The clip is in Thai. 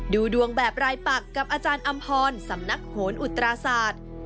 ดูดวงแบบรายปักกับอาจารย์อำพรสำนักโหนอุตราศาสตร์